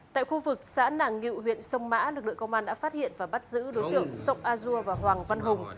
tại khu vực xã nàng ngự huyện sông mã lực lượng công an đã phát hiện và bắt giữ đối tượng sông a dua và hoàng văn hùng